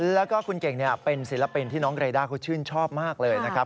แล้วก็คุณเก่งเป็นศิลปินที่น้องเรด้าเขาชื่นชอบมากเลยนะครับ